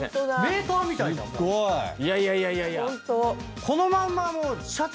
いやいやいやいやいや！